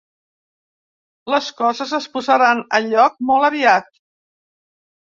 Les coses es posaran a lloc molt aviat